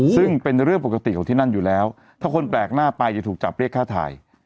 ซึ่งเป็นเรื่องปกติของที่นั่นอยู่แล้วถ้าคนแปลกหน้าไปจะถูกจับเรียกค่าถ่าย